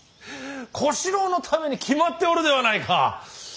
小四郎のために決まっておるではないか。